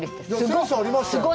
センスありましたよ。